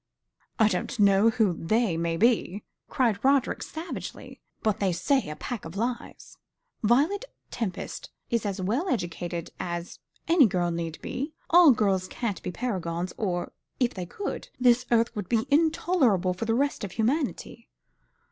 "I don't know who they may be," cried Roderick, savagely, "but they say a pack of lies. Violet Tempest is as well educated as any girl need be. All girls can't be paragons; or, if they could, this earth would be intolerable for the rest of humanity.